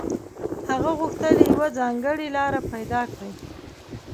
هغه غوښتل يوه ځانګړې لاره پيدا کړي.